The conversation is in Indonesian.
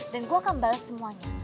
dan gue akan bales semuanya